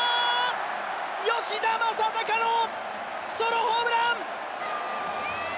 吉田正尚のソロホームラン！